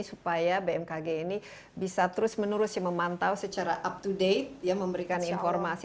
supaya bmkg ini bisa terus menerus memantau secara up to date ya memberikan informasi